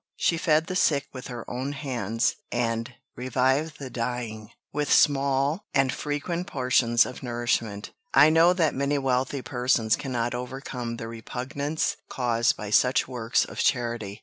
She fed the sick with her own hands, and revived the dying with small and frequent portions of nourishment. I know that many wealthy persons cannot overcome the repugnance caused by such works of charity.